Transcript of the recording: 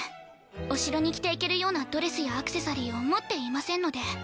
お城に着ていけるようなドレスやアクセサリーを持っていませんので。